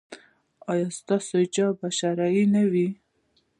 ایا ستاسو حجاب به شرعي نه وي؟